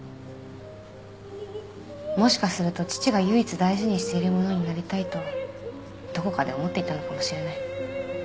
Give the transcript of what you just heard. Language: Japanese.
もしかすると父が唯一大事にしている物になりたいとどこかで思っていたのかもしれない。